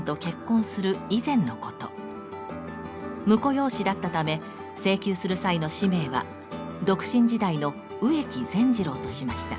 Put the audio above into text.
婿養子だったため請求する際の氏名は独身時代の「植木善次郎」としました。